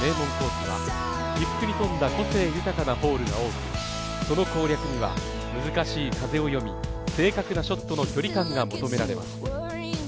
特有の起伏に富んだ個性豊かなホールが多く、その攻略には難しい風を読み正確なショットの距離感が求められます。